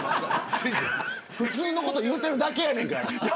普通のこと言うてるだけやねんから。